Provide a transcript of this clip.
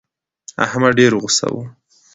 احمد ډېر غوسه و.